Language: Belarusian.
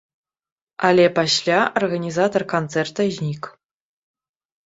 Але пасля арганізатар канцэрта знік.